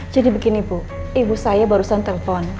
jadi begini bu ibu saya barusan telpon